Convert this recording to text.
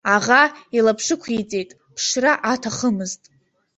Аӷа илаԥшықәиҵеит, ԥшра аҭахымызт.